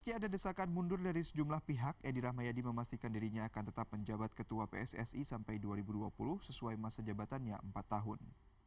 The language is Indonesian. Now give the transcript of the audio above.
meski ada desakan mundur dari sejumlah pihak edi rahmayadi memastikan dirinya akan tetap menjabat ketua pssi sampai dua ribu dua puluh sesuai masa jabatannya empat tahun